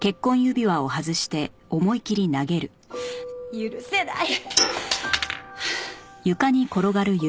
許せない！